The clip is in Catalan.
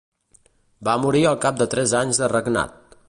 Va morir al cap de tres anys de regnat.